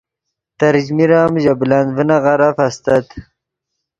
تریچمیر ام ژے بلند ڤینغیرف استت